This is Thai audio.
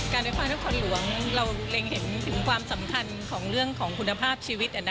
ไฟฟ้านครหลวงเราเล็งเห็นถึงความสำคัญของเรื่องของคุณภาพชีวิต